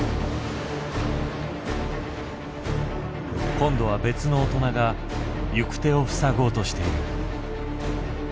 今度は別の大人が行く手を塞ごうとしている。